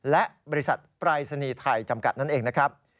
และบริษัทปรายศนีย์ไทยจำกัดนั่นเองนะครับ